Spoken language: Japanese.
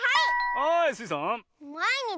はいスイさん。